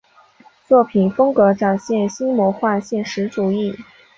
作品风格展现新魔幻现实主义。